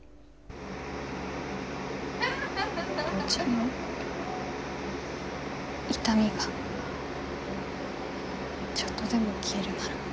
りょーちんの痛みがちょっとでも消えるなら。